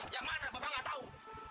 yang mana bapak nggak tahu